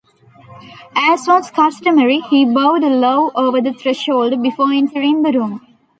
As was customary, he bowed low over the threshold before entering the room.